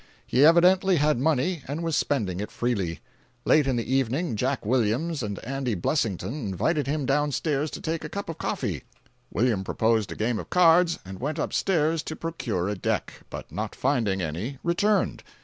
He evidently had money, and was spending if freely. Late in the evening Jack Williams and Andy Blessington invited him down stairs to take a cup of coffee. Williams proposed a game of cards and went up stairs to procure a deck, but not finding any returned.